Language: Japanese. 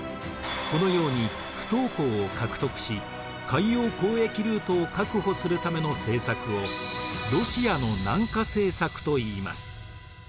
このように不凍港を獲得し海洋交易ルートを確保するための政策をロシアの南下政策といいます。